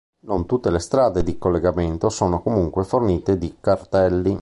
Non tutte le strade di collegamento sono comunque fornite di cartelli.